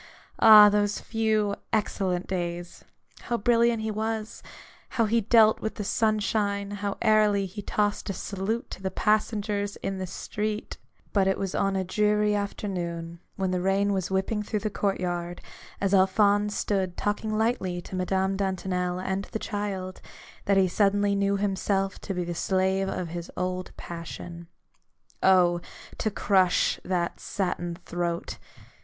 Ah, those few excellent days ! How brilliant he was ; how he dealt with the sunshine ; how airily he tossed a salute to the passengers in the street ! But it was on a dreary afternoon, when the rain was whipping through the court yard, as Il8 A BOOK OF BARGAINS. Alphonse stood talking lightly to Madame Dantonel and the child, that he suddenly knew himself to be the slave of his old passion. Oh, to crush that satin throat!